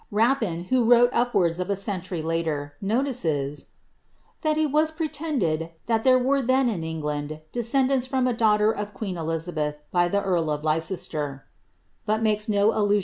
Rapin, who wrote up of a century later, notices, ^^ that it was pretended, that there were in England descendants from a daughter of queen fUizabeth by the ^■ri of Leicester," but makes no allusion to a son.